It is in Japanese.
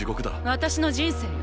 私の人生よ